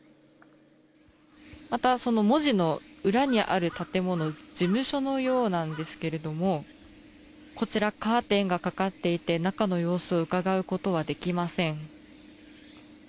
また、その文字の裏にある建物事務所のようなんですけれどもこちら、カーテンがかかっていて中の様子をうかがうことはできません。